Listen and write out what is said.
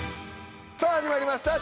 さぁ始まりました